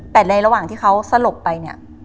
แต่ในระหว่างที่เขาสลบไปเนี่ย